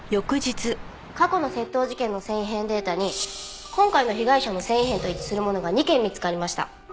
過去の窃盗事件の繊維片データに今回の被害者の繊維片と一致するものが２件見つかりました。